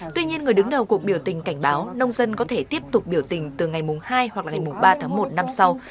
tuy nhiên người đứng đầu cuộc biểu tình cảnh báo nông dân có thể tiếp tục biểu tình từ ngày hai hoặc ngày ba tháng một năm sau